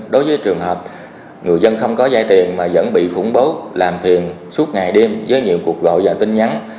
đối với trường hợp người dân không có dây tiền mà vẫn bị khủng bố làm thiền suốt ngày đêm với những cuộc gọi và tin nhắn